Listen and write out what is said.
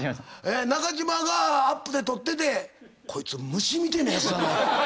ナカジマがアップで撮ってて「こいつむしみてえなやつだな」